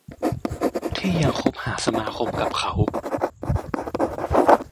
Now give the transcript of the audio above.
ที่ยังคบหาสมาคมกับเขา